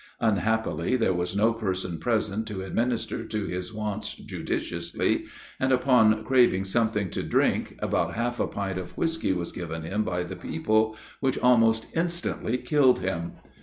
Unhappily, there was no person present to administer to his wants judiciously, and, upon craving something to drink, about half a pint of whiskey was given him by the people, which almost instantly killed him.